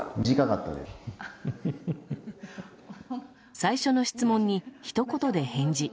最初の質問にひと言で返事。